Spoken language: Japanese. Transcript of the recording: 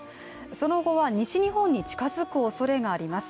その後は、西日本に近づくおそれがあります。